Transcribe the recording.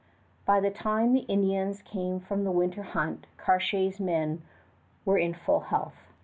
By the time the Indians came from the winter hunt Cartier's men were in full health.